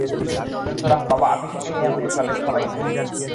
সুতরাং, বাবা আপিসে গেলেই আমাকে কালেজ পালাইতে হইত।